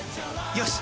よし！